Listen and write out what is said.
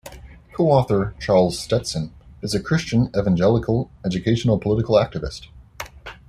Co-author Charles Stetson is a Christian Evangelical educational political activist.